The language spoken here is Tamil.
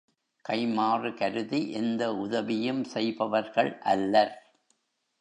கைம்மாறு கருதி எந்த உதவியும் செய்பவர்கள் அல்லர்